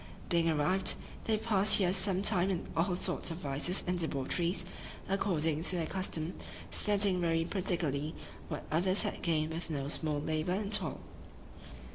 Being arrived, they passed here some time in all sorts of vices and debaucheries, according to their custom; spending very prodigally what others had gained with no small labor and toil.